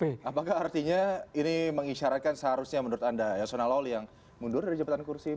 oke apakah artinya ini mengisyaratkan seharusnya menurut anda yasona lawli yang mundur dari jabatan kursi